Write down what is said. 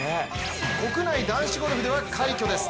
国内男子ゴルフでは快挙です。